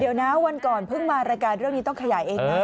เดี๋ยวนะวันก่อนเพิ่งมารายการเรื่องนี้ต้องขยายเองนะ